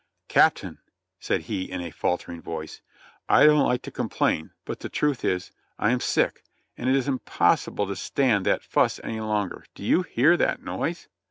"Captain," said he in a faltering voice, "I don't like to complain, but the truth is, I am sick, and it is impossible to stand that fuss any longer ; do you hear that noise